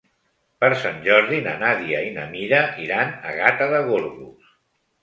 Per Sant Jordi na Nàdia i na Mira iran a Gata de Gorgos.